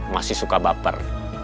masih suka baper